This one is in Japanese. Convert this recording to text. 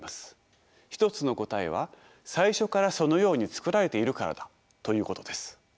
一つの答えは最初からそのように作られているからだということです。